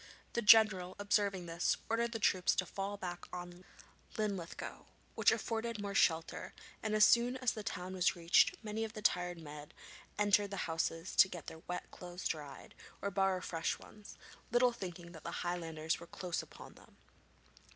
The general, observing this, ordered the troops to fall back on Linlithgow, which afforded more shelter, and as soon as the town was reached many of the tired men entered the houses to get their wet clothes dried, or borrow fresh ones, little thinking that the Highlanders were close upon them.